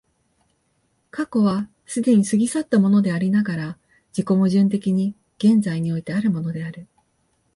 過去は既に過ぎ去ったものでありながら、自己矛盾的に現在においてあるものである。